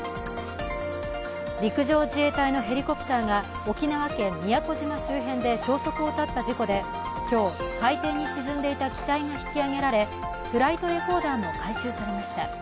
陸上自衛隊のヘリコプターが沖縄県宮古島周辺で消息を絶った事故で、今日、海底に沈んでいた機体が引き揚げられフライトレコーダーも回収されました。